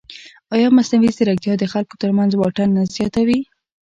ایا مصنوعي ځیرکتیا د خلکو ترمنځ واټن نه زیاتوي؟